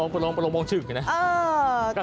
ประโลกมองชึ่งอย่างนี้นะ